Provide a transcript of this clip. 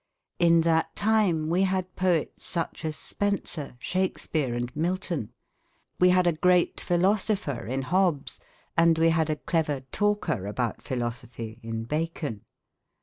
In that time we had poets such as Spenser, Shakespere, and Milton; we had a great philosopher, in Hobbes; and we had a clever talker about philosophy, in Bacon.